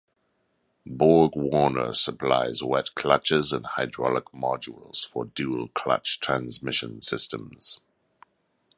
BorgWarner supplies wet clutches and hydraulic modules for dual-clutch transmission systems.